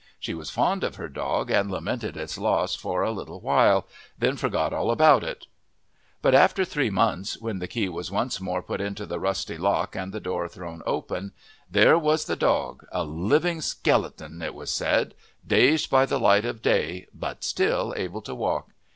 She was fond of her dog, and lamented its loss for a little while, then forgot all about it. But after three months, when the key was once more put into the rusty lock and the door thrown open, there was the dog, a living "skelington" it was said, dazed by the light of day, but still able to walk!